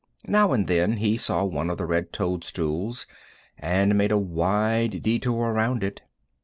Now and then he saw one of the red toadstools, and made a wide detour around it.